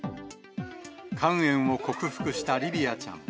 肝炎を克服したリヴィアちゃん。